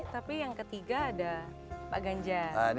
tapi yang ketiga ada pak ganjar